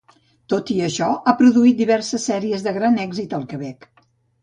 Tot i això, ha produït diverses sèries de gran èxit al Quebec.